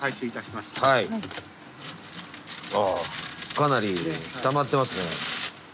かなりたまってますね。